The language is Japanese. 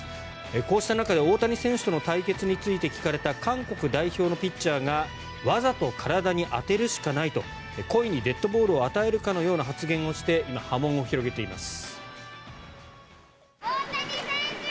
こうした中で大谷選手との対決について聞かれた韓国代表のピッチャーがわざと体に当てるしかないと故意にデッドボールを与えるかのような発言をして今、波紋を広げています。